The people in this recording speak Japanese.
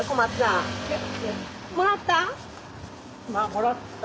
もらった？